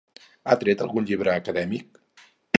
Ha tret algun llibre acadèmic?